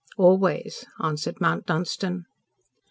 "Always," answered Mount Dunstan.